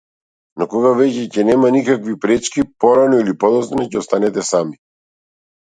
Но кога веќе ќе нема никакви пречки, порано или подоцна ќе останете сами!